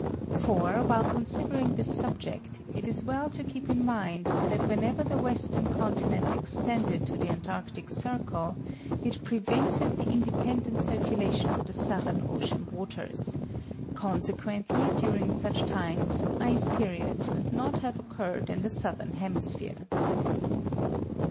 For, while considering this subject, it is well to keep in mind that whenever the western continent extended to the antarctic circle it prevented the independent circulation of the Southern Ocean waters, consequently during such times ice periods could not have occurred in the southern hemisphere.